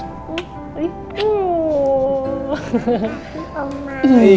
selamat ulang tahun